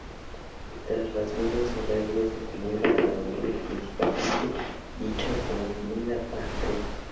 Tras las misas solemnes se celebra la romería propiamente dicha con una comida campestre.